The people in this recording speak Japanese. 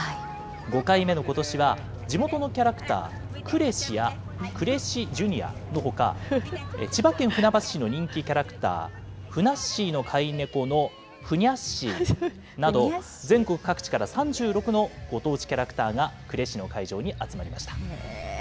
５回目のことしは、地元のキャラクター、呉氏や呉氏Ｊｒのほか、千葉県船橋市の人気キャラクター、ふなっしーの飼い猫のふにゃっしーなど、全国各地から３６のご当地キャラクターが呉市の会場に集まりました。